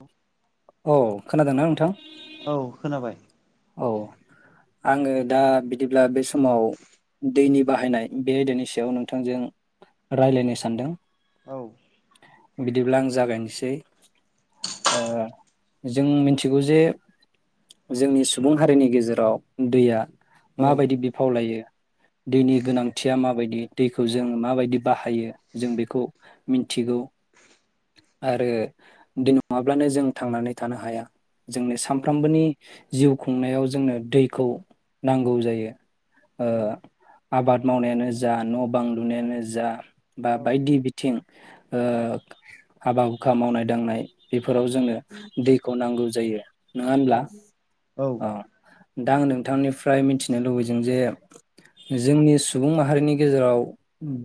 औ औ खोनादोंना नोंथां औ खोनाबाय औ आङो दा बिदिब्ला बे समाव दैनि बाहायनाय बे आयदानि सायाव नोंथांजों रायलायनो सानदों औ बिदिब्ला आं जागायनोसै ओ जों मिथिगौ जे जोंनि सुबुं हारिनि गेजेराव दैया औ माबायदि बिफाव लायो दैनि गोनांथिया माबायदि दैखौ जों माबायदि बाहायो जों बेखौ मिन्थिगौ आरो दै नङाब्लानो जों थांनानै थानो हाया जोंनि औ सानफ्रोमबोनि जिउ खुंनायाव जोंनो दै खौ नांगौ जायो आबाद ओ मावनायानो जा न बां लुनायानो जा बा बायदि बिथिं [unintelligible] औ हाबा हुखा मावनाय दांनाय बेफोराव जोंनो दैखौ नांगौ जायो नङा औ होमब्ला औ दा आं नोंथांनिफ्राय मिथिनो लुबैदों जे जोंनि सुबुं माहारिनि गेजेराव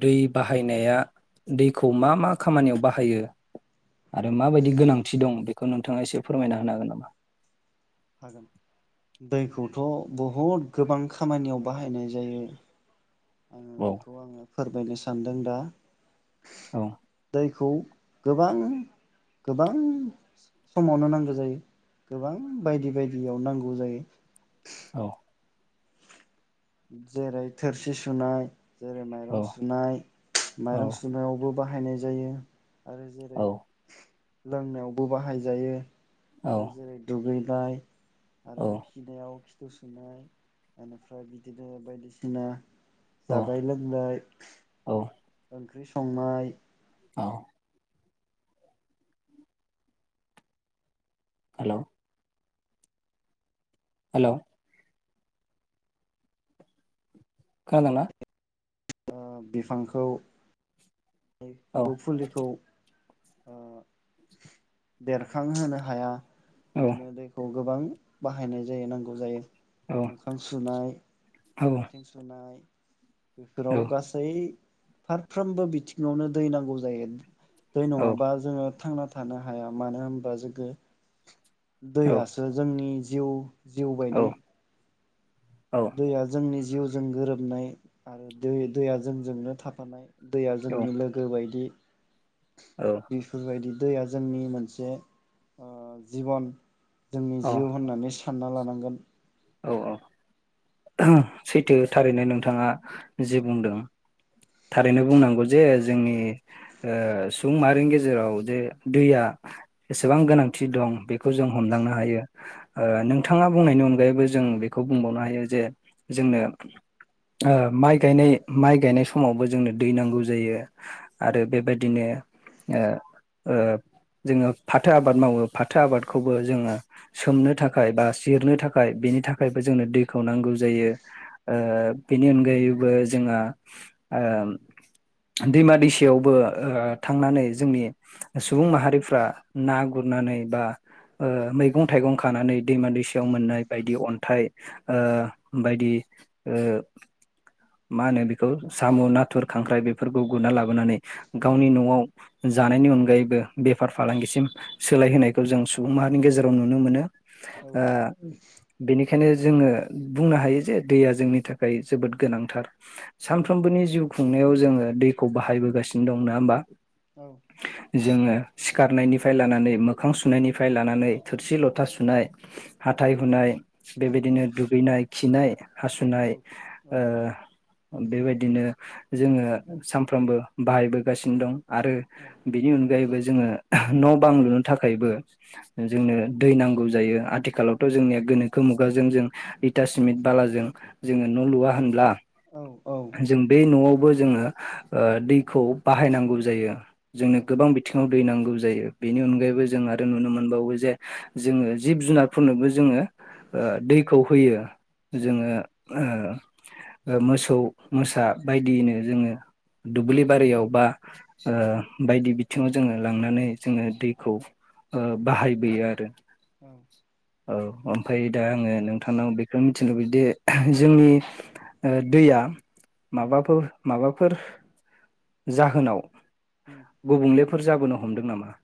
दै बाहायनाया दैखौ मा मा खामानियाव बाहायो आरो माबायदि गोनांथि दं बेखौ नोंथाङा एसे फोरमायना होनो हागोन नामा हागोन दैखौथ बहुद गोबां खामानियाव बाहायनाय जायो आङो औ बेखौ आङो फोर बायनदि सानदों दा औ दैखौ गोबां गोबां समावनो नांगौ जायो गोबां बायदि बायदियाव नांगौ जायो अ जेरै थोरसि सुनाय जेरै औ माइरं सुनाय औ माइरं सुनायावबो बाहायनाय जायो आरो जेरै औ लोंनायावबो बाहायजायो आरो जेरै दुगै नाय औ आरो खिनाइयाव सोनाय एनिफ्राय बिदिनो बायदिसिना जानाय लोंनाय औ ओंख्रि संनाय औ हेलऔ हेल खोनादोंना ओ बिफांखौ औ बुफुलिखौ ओ बेरखांहोनो हाया औ बिदिनो दैखौ गोबां बाहायनाय जायो नांगौ जायो मोखां सुनाय आथिं सुनाय बेफोराव गासै फारफ्रोमबो बिथिं न आवनो दै नांगौ जायो दै औ-औ-औ-औ-औ-औ-औ-औ-औ-औ-औ नङाबा जोङो थांना थानो हाया मानो होनबा जोगो दैयासो जोंनि जिउ जिउ बायदि दैया जोंनि जिउजों गोरोबनाय आरो दै दैया जोंजोंनो थाफानाय दैया जोंनि लोगो बायदि बिफोर बायदि दैया जोंनि मोनसे ओ जिबन जोंनि जिउ होननानै फानना लानांगोन। औ-औ ओहोम सैथो थारैनो नोंथाङा जि बुंदों। थारैनो बुंनांगौ जे जोंनि ओ सुबुं माहारिनि गेजेराव जे दैया एसेबां गोनांथि दं बेखौ जों हमदांनो हायो। औ ओ नोंथाङा बुंनायनि अन अनगायैबो जों बेखौ बुंबावनो हायो जे जोंनो ओ माइ गानाय माइ गायनाय सम समावबो जोंनो दै नांगौ जायो आरो बेबायदिनो ओ- ओ जोङो फाथो आबाद मावो फाथो आबादखौबो जोङो सोमनो थाखाय बा जिरनो थाखाय बेनि थाखायबो जोंनो दैखौ नांगौ जायो ओ बेनि अनगायैबो जोंहा ओ दैमा दैसायावबो ओ थांनानै जोंनि सुबुं माहारिफ्रा ना गुरनानै बा ओ मैगं-थाइगं खानानै दैमा दैसायाव मोननाय बायदि अन्थाइ ओ बायदि ओ मा होनो बेखौ साम' नाथुर, खांख्राइ बेफोरखौ गुरना लाबोनानै गावनि न'आव जानायनि अनगायैबो बेफार फालांगिसिम सोलायहोनायखौ जों सुबुं माहारिनि गेजेराव नुनो मोनो। औ ओ बेनिखायनो जोङो बुंनो हायो जे दैया जोंनि थाखाय जोबोद गोनांथार। औ सानफ्रोमबोनि जिउ खुंनायाव जोङो दैखौ बाहायबोगासिनो दं नङा होमबा? औ जोङो सिखारनायनिफ्राय लानानै मोखां सुनायनिफ्राय लानानै थोरसि लथा सुनाय हाथाइ हुनाय बेबायदिनो औ दुगैनाय खिनाय हासुनाय औ ओ बेबायदिनो जोङो सामफ्रोमबो बाहायबोगासिनो दं। आरो औ बेनि अनगायैबो जोङो न बां लुनो थाखायबो जोंनो दै नांगौ जायो। आथिखालावथ' जोंनिया गोनोखो मुगाजों जों इटा सिमेट बालाजों जोङो न लुवा होनब्ला? औ औ जों बे नआवबो जोङो ओ दैखौ बाहायनांगौ जायो। जोंनो औ गोबां बिथिङाव दैनांगौ जायो। बेनि अनगायैबो जों आरो नुनो मोनो मोनबावो जे जोङो जिब जुनारफोरनोबो जोङो दैखौ होयो। जोङो ओ-ओ मोसौ मोसा बायदियनो जोङो दुब्लि बारियाव बा ओ बायदि बिथिङाव जोङो लांनानै जोङो दैखौ ओ बाहायबोयो आरो औ औ ओमफ्राय दा आङो नोंथांनाव बेखौनो मिथिनो लुबैयोदि जोंनि दैया माबाफोर-माबाफोर जाहोनाव गुबुंलेफोर जाबोनो हमदों नामा?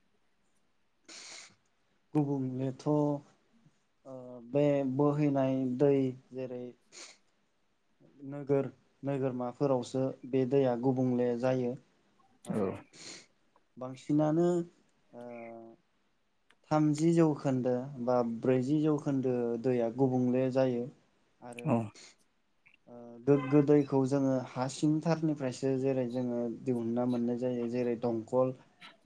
गुबुंलेथ' ओ बे बोहैनाय दै जेरै - नोगोर नोगोरमाफोरावसो बे दैया गुबुंले जायो। ओ औ। बांसिनानो ओ। थामजि जौखोन्दो बा ब्रैजि जौखोन्दो दैया गुबुंले जायो। आरो। औ ओ गोग्गो दैखौ जोङो। हा सिंथारनिफ्रायसो जेरै जोङो दिहुनना मोननाय जायो जेरै दंखल।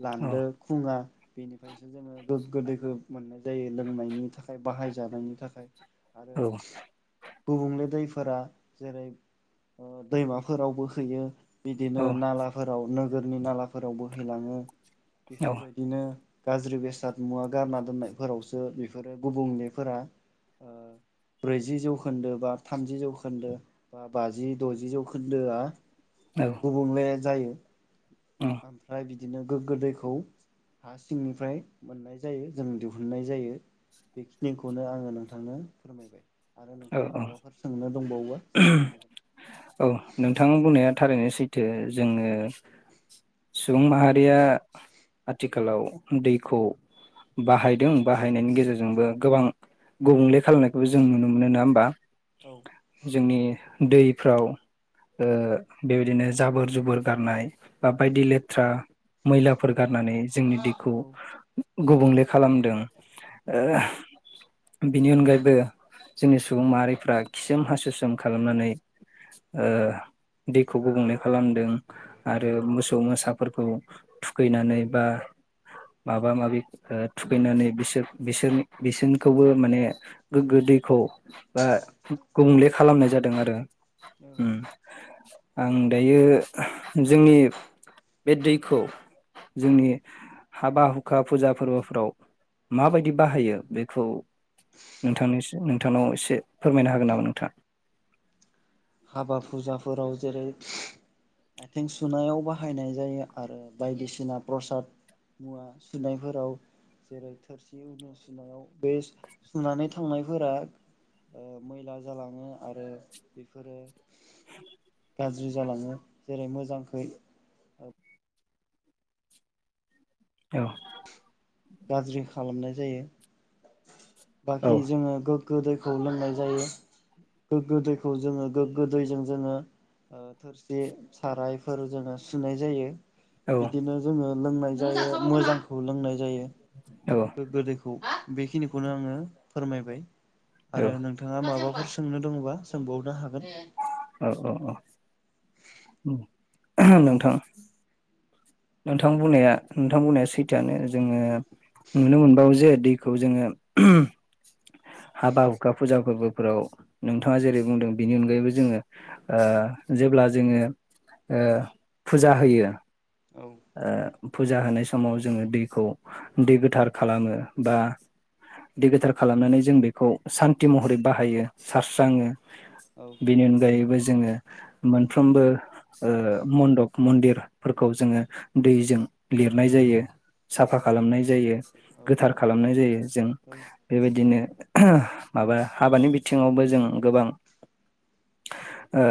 लानदो औ खुङा। बेनिफ्रायसो जोङो। गोगो दैखो मोननाय। जायो लोंनायनि थाखाय बाहाय। जानायनि थाखाय आरो। गुबुंले दैफोरा जेरै ओ दैमाफोरावबो हैयो। बिदिनो औ नालाफोराव नों। नोगोरनि नालाफोराव बोहैलाङो। बेफोरबायदिनो। गाज्रि बेसाद। मुवा गारना दोननायफोरावसो बेफोरो गुबुंलेफोरा ओ ब्रैजि जौखोन्दो बा थामजि जौखोन्दो बा बाजि दजि जौखोन्दोआ। ओ गुबुंले जायो। ओमफ्राय बिदि। बिदिनो गोग्गो दैखौ हा सिंनिफ्राय। मोननाय जायो जों दिहुननाय जायो बेखिनिखौनो आङो नोंथांनो फोरमायबाय। आरो औ नोंथाङा औ माबाफोर सोंनो दंबावो सोंनो औ हागोन। नोंथां बुंनाया थारैनो सैथो जोङो सुबुं माहारिया आथिखालाव दैखौ बाहायदों बाहायनायनि गेजेरजोंबो गोबां गुबुंले खालामनायखौबो जों नुनो मोनो। नोङा होमबा। औ जोंनि। दैफ्राव ओ बेबायदिनो जाबोर जुबोर गारनाय बा बायदि लेथ्रा मैलाफोर। गारनानै जोंनि दैखौ। औ गुबुंले खालामदों। औ ओ। बिनि अनगायैबो। जोंनि सुबुं माहारिफ्रा खिसोम हासुसोम खालामनानै ओ दैखौ गुबुंले खालामदों आरो मोसौ मोसाफोरखौ थुखैनानै बा माबा माबि थुखैनानै बिसोर बिसोरनि बिसोरनिखौबो माने गोग्गो दै। खौ बा गुबुंले खालामनाय जादों आरो। औ उम। आं दायो जोंनि बे दैखौ। औ जोंनि हाबा हुखा फुजा फोरबोफोराव माबायदि बाहायो बेखौ नोंथांनिसि नोंथांनाव इसे फोरमायनो हागोन नामा नोंथा? हाबा फुजाफोराव जेरै आथिं सुनायाव बाहायनाय जायो आरो बायदिसिना प्रसाद मुवा सुनायफोराव जेरै थोरसि उनु सुनायाव बे सुनानै थांनायफोरा मैला जालाङो आरो बेफोरो गाज्रि जालाङो जेरै मोजांखै औ गाज्रि खालामनाय जायो। औ बाखि जोङो गो गोग्गो दैखौ लोंनाय जायो गोग्गो दैखौ जोङो गोग्गो दैजों जोङो ओ थोरसि साराइफोर जोङो सुनाय जायो। औ औ बिदिनो जोङो। लोंनाय जायो मोजांखौ लोंनाय जायो। गोग्गो दैखौ बेखिनिखौनो आङो फोरमायबाय। औ आरो नोंथाङा माबाफोर। सोंनो दङबा सोंबावनो हागोन। औ औ औ नोंथां नोंथां बुंनाया नोंथां बुंनाया सैथोआनो जोङो नुनो मोनबावो जे दैखौ जोङो हाबा हुखा फुजा फोरबोफोराव नोंथाङा जेरै बुंदों बिनि अनगायैबो जोङो ओ जेब्ला जोङो ओ फुजा होयो। औ ओ फुजा होनाय समाव जोङो दैखौ दै गोथार खालामो बा दै गोथार खालामनानै जों बेखौ सान्थि महरै बाहायो सारस्राङो। औ बेनि अनगायैबो जो जोङो मोनफ्रोमबो ओ मन्दप मन्दिरफोरखौ जोङो दैजों लिरनाय जायो औ साफा खालामनाय जायो औ गोथार खालामनाय जायो जों बेबायदिनो माबा हाबानि बिथिङावबो जों गोबां ओ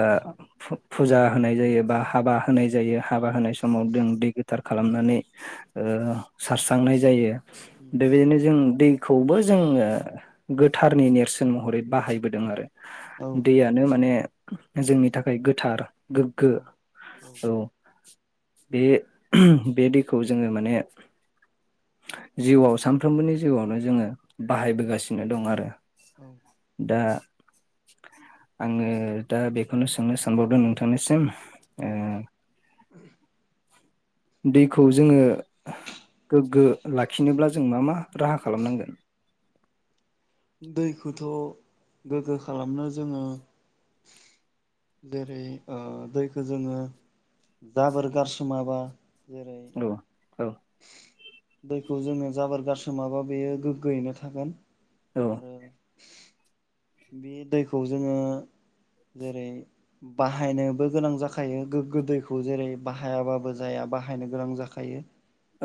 फु फुजा होनाय जायो बा हाबा होनाय जायो हाबा होनाय समाव जों दैै गोथार खालामनानै ओ सारस्रांनाय जायो। बेबायदिनो जों दै खौबो जोङो गोथारनि नेरसोन महरै बाहायबोदों आरो दैयानो माने जोंनि थाखाय गोथार गोग्गो औ बे बे दैखौ जोङो माने जिउआव सानफ्रोमबोनि जिउआवनो जोङो बाहायबोगासिनो दं आरो औ दा आङो दा बेखौनो सोंनो सानबावदों नोंथांनिसिम औ ओ [inaudible] दैखौ जोङो गोग्गो लाखिनोब्ला जों मा मा राहा खालामनांगोन? दैखौथ गोग्गो खालामनो जोङो जेरै ओ दैखौ जोङो जाबोर गारसोमाबा जेरै औ औ दैखौ जोङो जाबोर गारसोमाबा बेयो गोग्गोयैनो थागोन। औ आरो बे दैखौ जोङो जेरै बाहायनोबो गोनां जाखायो गोग्गो दैखौ जेरै बाहायाबाबो जाया बाहायनो गोनां जाखायो।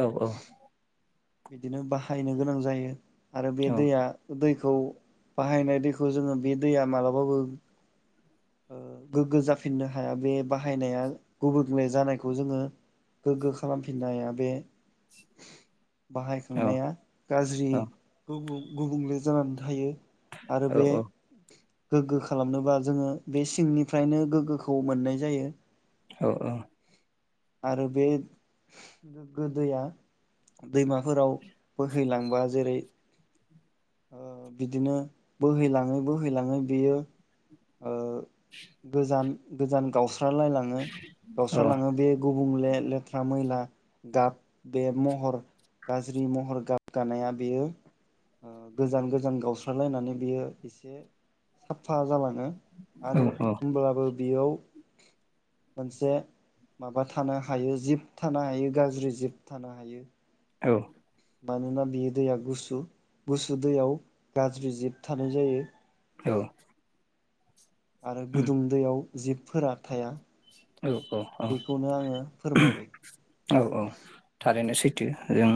औ औ बिदिनो बाहायनो गोनां जायो। आरो बे औ दैया दै खौ बाहायनाय दैखौ जोङो बे दैया मालाबाबो ओ गोग्गो जाफिननो हाया बे बाहायनाया गुबुंले जानायखौ जोङो गोग्गो खालामफिननो हाया। बे औ औ बाहायखांनाया गाज्रि औ गुबुं गुबुंले जानानै थायो। आरो औ बे औ गोग्गो खालामनोबा जोङो बे सिंनिफ्रायनो गोग्गोखौ मोननाय जायो। औ ओ आरो बे गोग्गो दैया दैमाफोराव बोहैलांबा जेरै ओ बिदिनो बोहैलाङै बोहैलाङै बेयो ओ गोजान गोजान गाव स्रालालायलाङो गावस्रालाङो बे गु बुंले लेथ्रा मैला गाब बे महर गाज्रि महर गाब गानाया बेयो ओ गोजान गोजान गावस्रालायनानै बियो एसे साब फा जालाङो। आरो होमब्लाबो बियाव मोनसे माबा थानो हायो जिब थानो हायो गाज्रि जिब थानो हायो। औ मानोना बियो दैया गुसु गुसु दैयाव गाज्रि जिब थानाय जायो। औ आरो गुदुं दैयाव जिबफोरा थाया। औ औ बेखौनो आङो फोरमायबाय। औ औ थारैनो सैथो। जों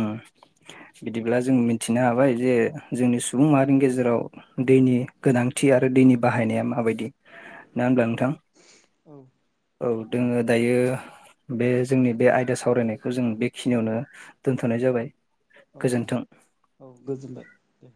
बिदिब्ला जों मिथिनो हाबाय जे जोंनि सुबुं माहारिनि गेजेराव दैनि गोनांथि आरो दैनि बाहायनाया माबायदि ना होनब्ला नोंथां? औ औ दोङो दायो बे जोंनि बे आयदा सावरायनायखौ जों बेखिनियावनो दोनथ'नाय जाबाय। औ गोजोन्थों औ गोजोनबाय। दे